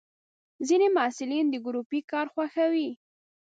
ځینې محصلین د ګروپي کار خوښوي.